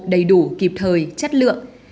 đầy đủ kịp thời chất lượng